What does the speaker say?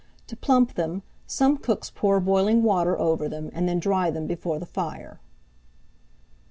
To plump them, some cooks pour boiling water over them, and then dry them before the fire.